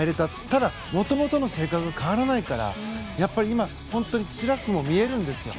ただ、元々の性格が変わらないからやっぱり今、本当につらくも見えるんですよ。